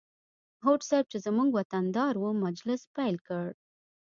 هوډ صیب چې زموږ وطن دار و مجلس پیل کړ.